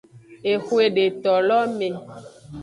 Exwe detolo me.